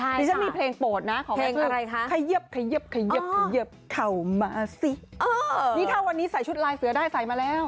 นี่จะมีเพลงโปรดนะของแม็กซ์คือขยับเข้ามาสินี่ถ้าวันนี้ใส่ชุดลายเสือได้ใส่มาแล้ว